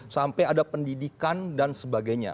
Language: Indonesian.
sampai ada pendidikan dan sebagainya